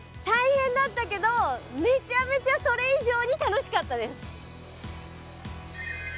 大変だったけどめちゃめちゃそれ以上に楽しかったです。